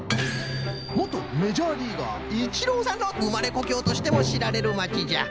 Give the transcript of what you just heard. もとメジャーリーガーイチローさんのうまれこきょうとしてもしられるまちじゃ。